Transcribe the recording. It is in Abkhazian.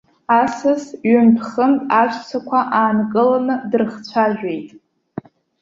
Асас ҩынтә-хынтә аҵәцақәа аанкыланы дрыхцәажәеит.